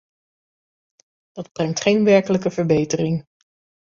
Dat brengt geen werkelijke verbetering.